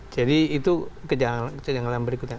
jadi itu kejanganan berikutnya